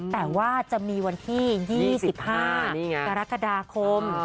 แต่ว่าจะมีวันที่๒๕กรกฎาคม